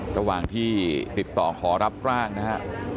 ระหว่างที่ติดต่อขอรับร่างนะครับ